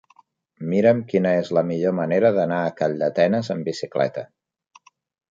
Mira'm quina és la millor manera d'anar a Calldetenes amb bicicleta.